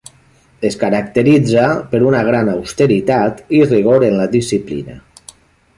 Es caracteritza per una gran austeritat i rigor en la disciplina.